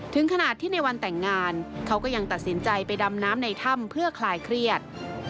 ถึงขนาดที่ในวันแต่งงานเขาก็ยังตัดสินใจไปดำน้ำในถ้ำเพื่อคลายเครียด